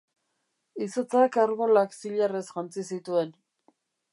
Izotzak arbolak zilarrez jantzi zituen.